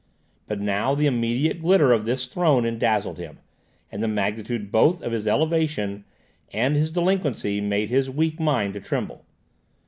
But now the immediate glitter of this throne dazzled him, and the magnitude both of his elevation and his delinquency made his weak mind to tremble.